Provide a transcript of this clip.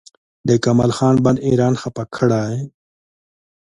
د کمال خان بند ایران خفه کړی؟